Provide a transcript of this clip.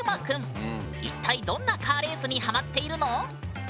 一体どんなカーレースにハマっているの？